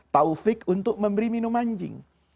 taufik untuk memberi minum anjing